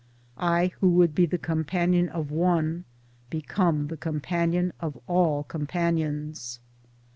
I who would be the companion of one become the companion of all companions.